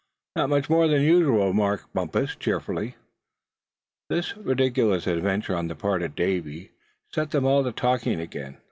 "Not much more'n usual," remarked Bumpus, cheerfully. This ridiculous adventure on the part of Davy set them all to talking again.